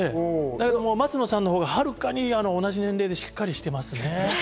松野さんのほうがはるかに同じ年齢でしっかりしてますね。